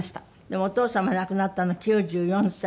でもお父様亡くなったの９４歳。